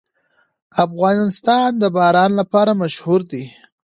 افغانستان د باران لپاره مشهور دی.